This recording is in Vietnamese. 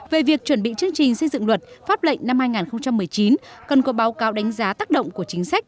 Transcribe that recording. về việc chuẩn bị chương trình xây dựng luật pháp lệnh năm hai nghìn một mươi chín cần có báo cáo đánh giá tác động của chính sách